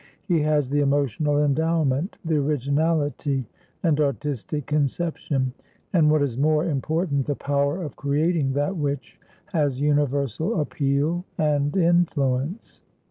He has the emotional endowment, the originality and artistic conception, and, what is more important, the power of creating that which has universal appeal and influence.